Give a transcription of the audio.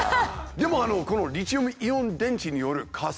でもこのリチウムイオン電池による火災